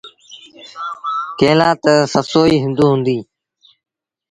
ڪݩهݩ لآ تا سسئي هُݩدو هُݩديٚ۔